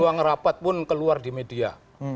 ruang rapat pun keluar di media